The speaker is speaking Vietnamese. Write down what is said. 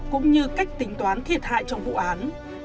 cũng như cách tính toán thiệt hại trong vụ án